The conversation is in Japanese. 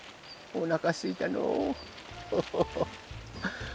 おなかすいたのうフフフ。